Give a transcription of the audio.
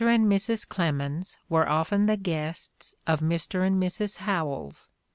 and Mrs. Clemens were often the guests of Mr. and Mrs. Howells.